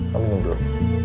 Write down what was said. kamu nunggu dulu